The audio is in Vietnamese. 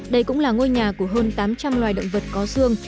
đây cũng là ngôi nhà của hơn tám trăm linh loài động vật có xương